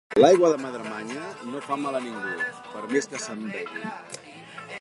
L'aigua de Madremanya no fa mal a ningú, per més que se'n begui.